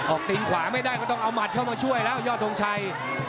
ตีนขวาไม่ได้ก็ต้องเอาหมัดเข้ามาช่วยแล้วยอดทงชัย